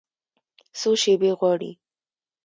څو شیبې غواړي